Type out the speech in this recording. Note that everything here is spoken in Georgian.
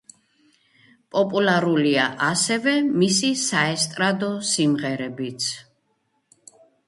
პოპულარულია ასევე მისი საესტრადო სიმღერებიც.